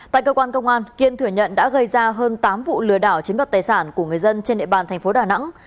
tại cơ quan công an kiên thừa nhận đã gây ra hơn tám vụ lừa đảo chiếm đoạt tài sản của người dân trên địa bàn thành phố đà nẵng